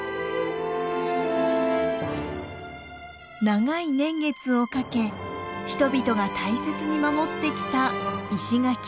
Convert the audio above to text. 長い年月をかけ人々が大切に守ってきた石垣の棚田。